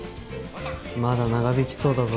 まだ長引きそうだぞ。